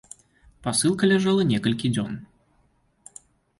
Пасылка ляжала некалькі дзён.